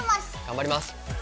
頑張ります。